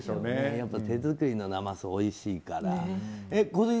やっぱり手作りのなますはおいしいから。